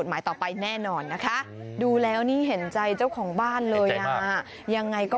อ้าวไปถึงโรงพยาบาล